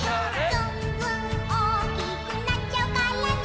「ずんずんおおきくなっちゃうからね」